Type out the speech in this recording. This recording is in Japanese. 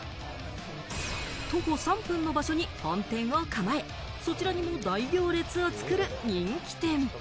徒歩３分の場所に本店を構え、そちらにも大行列を作る人気店。